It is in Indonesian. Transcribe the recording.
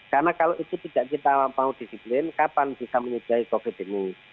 karena kalau itu tidak kita mau disiplin kapan bisa menyudahi covid ini